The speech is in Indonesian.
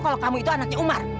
kalau kamu itu anaknya umar